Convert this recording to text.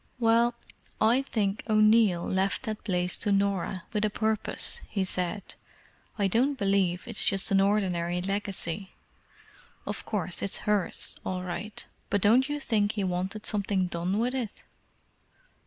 "Well, I think O'Neill left that place to Norah with a purpose," he said. "I don't believe it's just an ordinary legacy. Of course, it's hers, all right; but don't you think he wanted something done with it?"